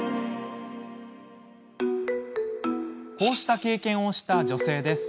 こうした経験をした女性です。